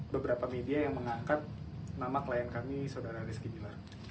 beberapa media yang mengangkat nama klien kami saudara rizky bilar